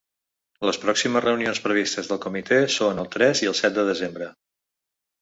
Les pròximes reunions previstes del comitè són el tres i el set de desembre.